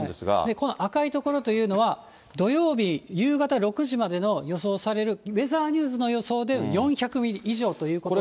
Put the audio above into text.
この赤い所というのは、土曜日夕方６時までの予想されるウェザーニューズの予想では４００ミリ以上ということで。